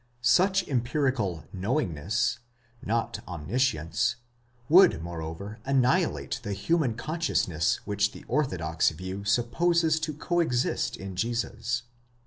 Such empirical Anowingness (not omniscience) would moreover annihilate the human consciousness which the orthodox view sup poses to co exist in Jesus.